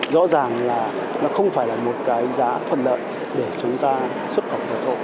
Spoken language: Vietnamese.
rõ ràng là nó không phải là một cái giá thuận lợi để chúng ta xuất khẩu dầu thô